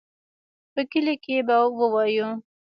په کلي کښې به ووايو.